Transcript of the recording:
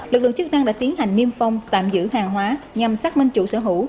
lực lượng chức năng đã tiến hành niêm phong tạm giữ hàng hóa nhằm xác minh chủ sở hữu